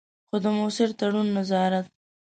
خو د مؤثر تړون، نظارت.